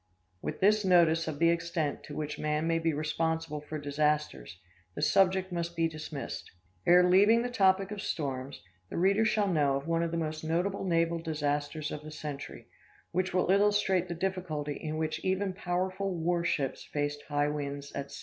With this notice of the extent to which man may be responsible for disasters, the subject must be dismissed. Ere leaving the topic of storms, the reader shall know of one of the most notable naval disasters of the century, which will illustrate the difficulty with which even powerful war ships face high winds at sea.